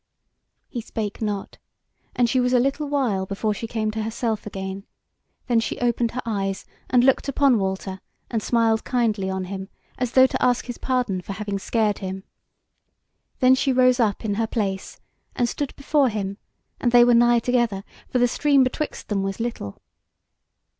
He spake not, and she was a little while before she came to herself again; then she opened her eyes, and looked upon Walter and smiled kindly on him, as though to ask his pardon for having scared him. Then she rose up in her place, and stood before him; and they were nigh together, for the stream betwixt them was little.